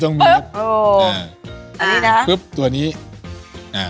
ตัวนี้ก็มะเขือหอมหอม